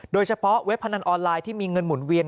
โดยเฉพาะเว็บพันธ์ออนไลน์ที่มีเงินหมุนเวียน